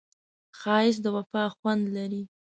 ښایست د وفا خوند لري